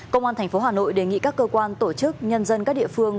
công an tp hcm đề nghị các cơ quan tổ chức nhân dân các địa phương